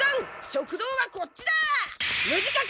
食堂はこっちだ！